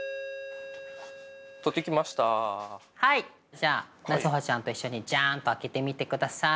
じゃあ夏歩ちゃんと一緒にジャンと開けてみてください。